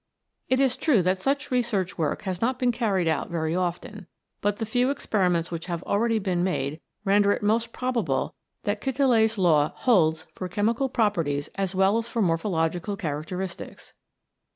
It is true that such CHEMICAL PHENOMENA IN LIFE research work has not been carried out very often, but the few experiments which have already been made render it most probable that Quetelet's law holds for chemical properties as well as for morphological characteristics.